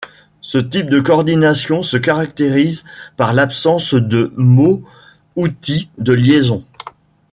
Ce type de coordination se caractérise par l’absence de mot-outil de liaison.